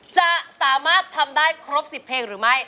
จะสามารถทำได้ครบ๑๐เพลงหรือไม่